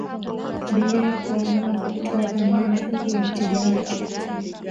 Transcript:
delea kuamua kutoa dhamana dhidi ya mteja wake